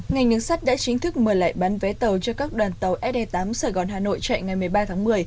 ngành đường sắt đã chính thức mở lại bán vé tàu cho các đoàn tàu se tám sài gòn hà nội chạy ngày một mươi ba tháng một mươi